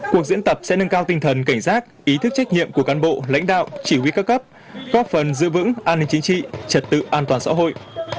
cuộc diễn tập sẽ nâng cao tinh thần cảnh giác ý thức trách nhiệm của cán bộ lãnh đạo chỉ huy các cấp góp phần giữ vững an ninh chính trị trật tự an toàn xã hội